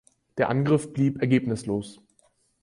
Der Angriff blieb ergebnislos.